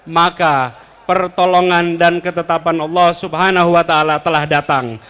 maka pertolongan dan ketetapan allah swt telah datang